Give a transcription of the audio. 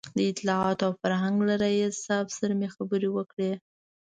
د اطلاعاتو او فرهنګ له رییس صاحب سره مې خبرې وکړې.